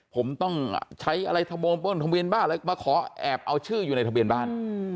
ผมต้องใช้อะไรทะเบียนบ้านมาขอแอบเอาชื่ออยู่ในทะเบียนบ้าน